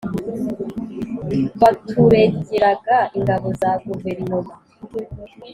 baturegeraga ingabo za guverinoma